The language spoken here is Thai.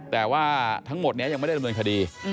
แต่ว่าทั้งหมดนี้ยังไม่ได้ดำเนินคดี